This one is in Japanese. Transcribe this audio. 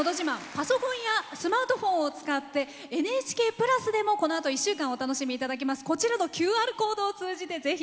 パソコンやスマートフォンを使って「ＮＨＫプラス」でもこのあと１週間お楽しみいただけます。